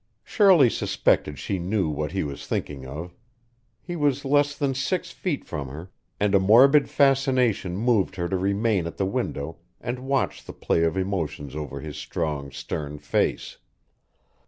Shirley suspected she knew what he was thinking of; he was less than six feet from her, and a morbid fascination moved her to remain at the window and watch the play of emotions over his strong, stern face.